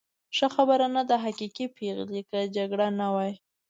ښه خبر نه و، حقیقي پېغلې، که جګړه نه وای.